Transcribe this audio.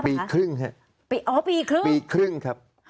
ปีครึ่งฮะปีอ๋อปีครึ่งปีครึ่งครับ